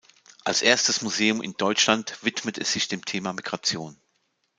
Als erstes Museum in Deutschland widmet es sich dem Thema Migration.